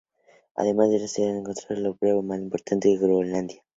Además en esta ciudad se encuentra el aeropuerto más importante de Groenlandia.